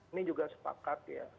ini juga sepakat ya